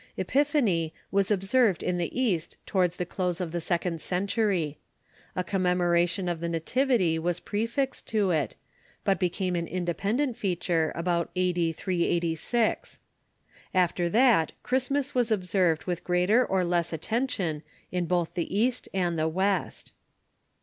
Epiphany was observed in the East towards the close of the second century. A commemoration of the nativity was prefixed to it, but became an independent feature about a.d. 386. After that Christmas was observed with greater or less attention in both the East and the West.